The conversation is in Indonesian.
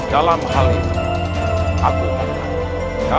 dalam hal ini aku mengingat